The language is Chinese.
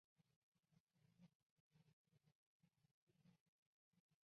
这份宣言被看作是对法国大革命的宣战书。